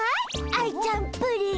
アイちゃんプリン！